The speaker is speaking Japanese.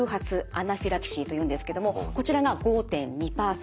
アナフィラキシーというんですけどもこちらが５．２％。